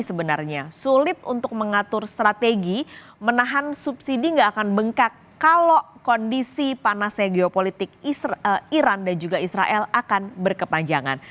sebenarnya sulit untuk mengatur strategi menahan subsidi nggak akan bengkak kalau kondisi panasnya geopolitik iran dan juga israel akan berkepanjangan